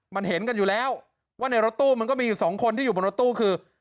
มันเห็นกันอยู่แล้วว่าในรถตู้มันก็มีอยู่สองคนที่อยู่บนรถตู้คือ